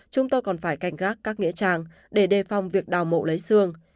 chúng tôi còn phải canh gác các nghĩa trang để đề phòng việc đào mộ lấy xương